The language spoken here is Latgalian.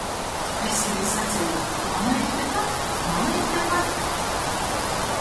Es sevī saceju – mama ir tepat, mama ir tepat!